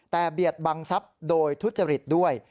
แต่เบียดบังทรัพย์โดยทุจริตด้วย